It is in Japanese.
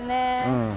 うん。